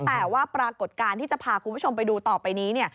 แต่ว่าปรากฏการณ์ที่จะพาคุณผู้ชมไปดูต่อไปนี้